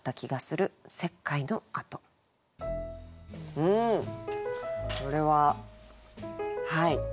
うんこれははい。